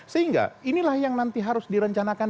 sehingga inilah yang nanti harus direncanakan